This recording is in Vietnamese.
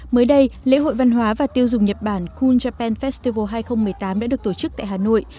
mới đây lễ hội văn hóa và tiêu dùng nhật bản cool japan festival hai nghìn một mươi tám đã được tổ chức tại hà nội